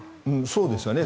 そうですね。